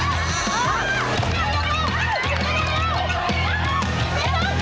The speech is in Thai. เหนื่อยไหม